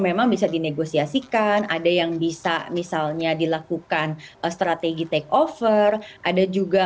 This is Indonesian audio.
itu memang bisa dinegosiasikan ada yang bisa misalnya dilakukan strategi takeover ada juga